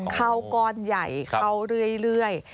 เข้าก้อนใหญ่เข้าเรื่อย